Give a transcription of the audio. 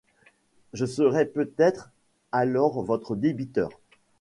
Je serai peut-être alors votre débiteur...